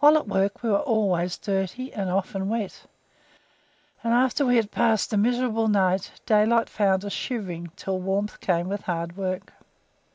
While at work we were always dirty, and often wet; and after we had passed a miserable night, daylight found us shivering, until warmth came with hard work.